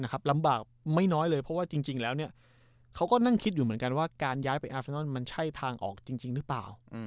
ลำบากไม่น้อยเลยเพราะว่าจริงแล้วเขาก็นั่งคิดอยู่เหมือนกันว่าการย้ายไปอาเซนอนมันใช่ทางออกจริงหรือเปล่า